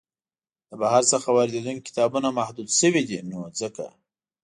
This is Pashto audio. له بهر څخه واریدیدونکي کتابونه محدود شوي دی نو ځکه.